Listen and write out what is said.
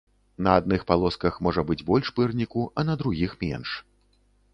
На адных палосках можа быць больш пырніку, а на другіх менш.